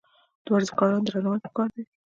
د ورزشکارانو درناوی پکار دی.